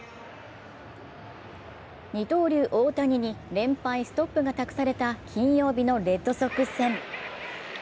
二刀流・大谷に連敗ストップが託された金曜日のレッドソックス戦。